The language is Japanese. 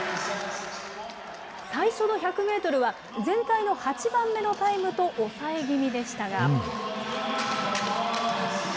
最初の１００メートルは全体の８番目のタイムと抑え気味でしたが。